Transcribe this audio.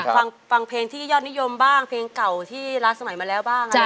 ฟังเพลงที่ยอดนิยมบ้างเพลงเก่าที่รักสมัยมาแล้วบ้าง